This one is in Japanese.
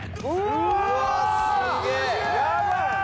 うわすげえ。